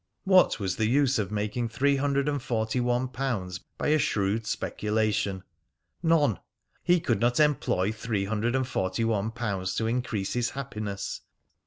What was the use of making three hundred and forty one pounds by a shrewd speculation? None. He could not employ three hundred and forty one pounds to increase his happiness.